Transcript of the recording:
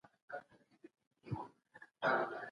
کور مو تل ودان او ژوند مو خوشحاله.